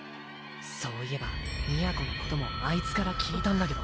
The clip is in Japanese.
そういえば美弥子のこともあいつから聞いたんだけど。